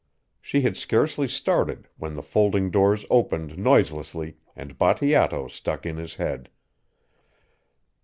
She had scarcely started when the folding doors opened noiselessly and Bateato stuck in his head.